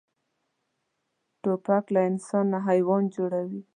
توپک له انسان نه حیوان جوړوي.